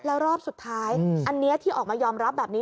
แล้วรอบสุดท้ายอันนี้ที่ออกมายอมรับแบบนี้